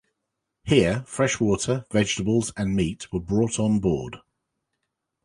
Here, fresh water, vegetables and meat were brought on board.